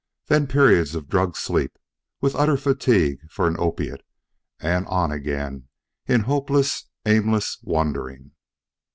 Then periods of drugged sleep with utter fatigue for an opiate and on again in hopeless, aimless wandering.